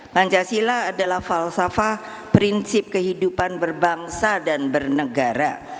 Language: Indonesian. pancasila adalah falsafah prinsip kehidupan berbangsa dan bernegara